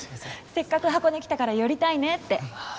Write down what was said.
せっかく箱根来たから寄りたいねってああ